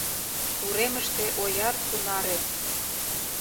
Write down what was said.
Уремыште ояр тунаре;